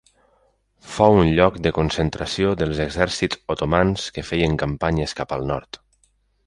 Fou un lloc de concentració dels exèrcits otomans que feien campanyes cap al nord.